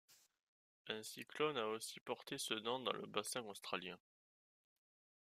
Un cyclone a aussi porté ce nom dans le bassin australien.